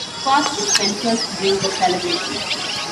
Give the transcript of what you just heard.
Scotch is Spenser's drink of celebration.